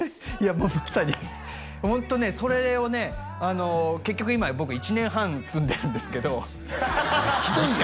もうまさにホントねそれをね結局今僕１年半住んでるんですけどひどいよ